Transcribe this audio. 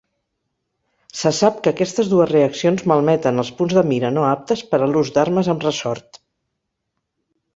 Se sap que aquestes dues reaccions malmeten els punts de mira no aptes per a l'ús d'armes amb ressort.